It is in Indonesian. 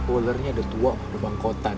ularnya udah tua udah bangkotan